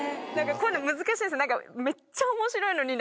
こういうの難しいんです。